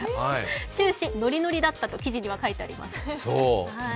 終始ノリノリだったと記事には書いてあります。